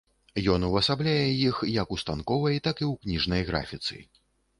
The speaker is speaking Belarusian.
Ён увасабляе іх як у станковай, так і кніжнай графіцы.